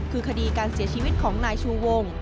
คือคดีการเสียชีวิตของนายชูวง